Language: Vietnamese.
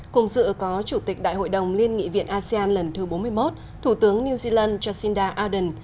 cùng dự có chủ tịch đại hội đồng liên nghị viện asean lần thứ bốn mươi một thủ tướng new zealand jacinda ardern